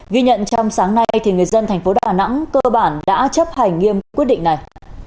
trong sáng nay người dân thành phố đà nẵng cơ bản đã chấp hành nghiêm quyết định này